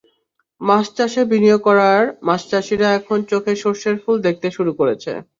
মাছ চাষে বিনিয়োগ করা মাছচাষিরা এখন চোখে সরষের ফুল দেখতে শুরু করেছে।